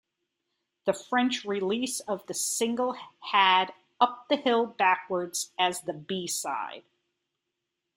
The French release of the single had "Up the Hill Backwards" as the B-side.